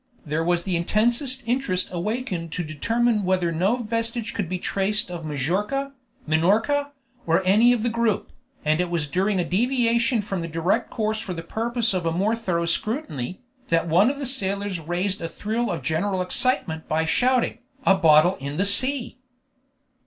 There was the intensest interest awakened to determine whether no vestige could be traced of Majorca, Minorca, or any of the group, and it was during a deviation from the direct course for the purpose of a more thorough scrutiny, that one of the sailors raised a thrill of general excitement by shouting, "A bottle in the sea!"